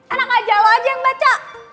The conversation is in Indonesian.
anak ajalah aja yang baca